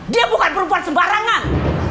dia bukan perempuan sembarangan